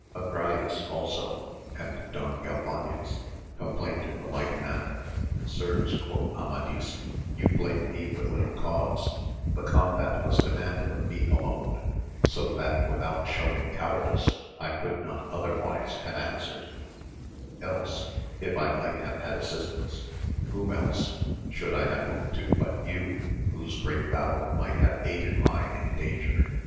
Agrayes also and Don Galvanes complained in the like manner. Sirs, quoth Amadis, you blame me with little cause ; the combat was demanded of me alone, so, that without showing cowardice, I could not otherwise have answered ; else, if J might have had assistance, whom else should I AMADIS OF GAUL. 89 have looked to but you, whose great valour might have aided mine in danger.